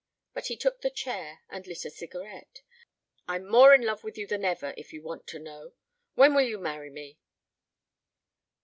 But he took the chair and lit a cigarette. "I'm more in love with you than ever, if you want to know. When will you marry me?"